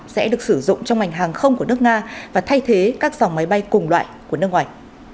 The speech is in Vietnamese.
sẽ được sử dụng trong ngành hàng không của nước nga và thay thế các dòng máy bay cùng loại của nước ngoài